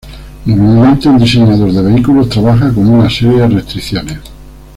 Normalmente, un diseñador de vehículos trabaja con una serie de restricciones.